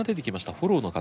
フォローの風。